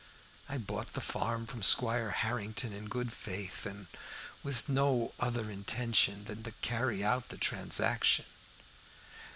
I bought the farm from Squire Harrington in good faith, and with no other intention than to carry out the transaction.